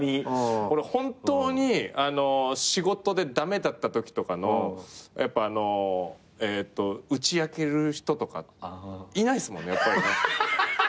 俺本当に仕事で駄目だったときとかの打ち明ける人とかいないっすもんね。